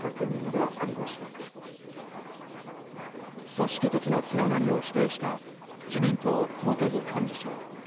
組織的なつながりを否定した自民党、茂木幹事長。